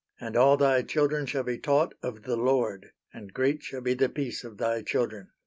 And all thy children shall be taught of the Lord; and great shall be the peace of thy children."